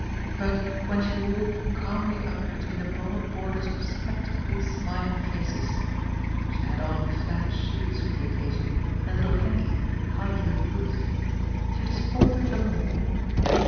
But, when she walked calmly up between the broad borders of skeptically smiling faces (she had on flat shoes for the occasion, and little Henky high heeled boots), she disappointed them all.